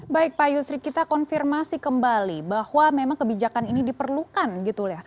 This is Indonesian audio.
baik pak yusri kita konfirmasi kembali bahwa memang kebijakan ini diperlukan gitu ya